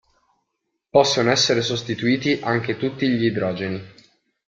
Possono essere sostituiti anche tutti gli idrogeni.